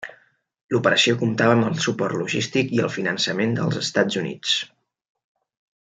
L'operació comptava amb el suport logístic i el finançament dels Estats Units.